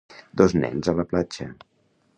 Dos nens a la platja.